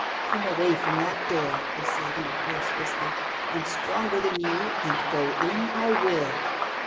"Come away from that door,'^ he said, in a hoarse whisper. "I'm stronger than you, and go in I will!"